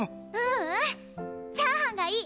ううんチャーハンがいい！